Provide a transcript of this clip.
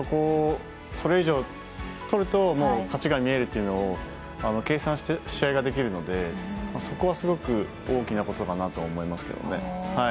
それ以上取ると勝ちが見えるというのを計算して試合ができるのでそこはすごく大きなことかと思いますけどね。